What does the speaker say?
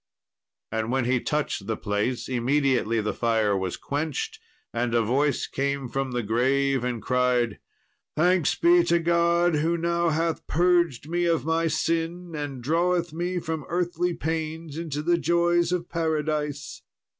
And when he touched the place immediately the fire was quenched, and a voice came from the grave and cried, "Thanks be to God, who now hath purged me of my sin, and draweth me from earthly pains into the joys of paradise."